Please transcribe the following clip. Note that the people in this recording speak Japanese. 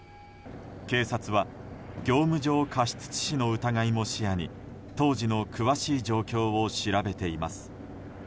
警察は業務上過失致死の疑いも視野に当時の詳しい状況を調べています。